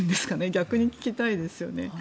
逆に聞きたいですよね。